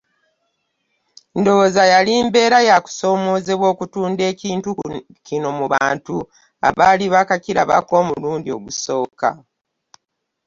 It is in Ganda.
Ndowooza yali mbeera ya kusoomoozebwa okutunda ekintu kino mu bantu abaali bakirabako omulundi ogusooka.